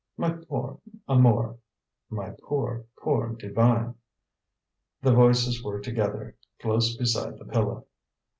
"My poor Amour!" "My poor, poor Divine!" The voices were together, close beside the pillow.